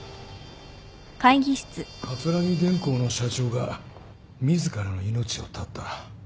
桂木電工の社長が自らの命を絶った